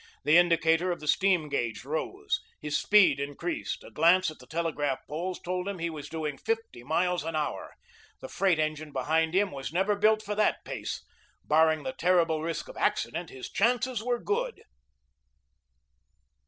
The indicator of the steam gauge rose; his speed increased; a glance at the telegraph poles told him he was doing his fifty miles an hour. The freight engine behind him was never built for that pace. Barring the terrible risk of accident, his chances were good.